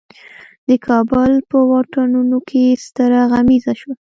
د کابل په واټونو کې ستره غمیزه شوه.